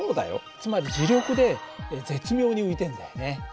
つまり磁力で絶妙に浮いてるんだよね。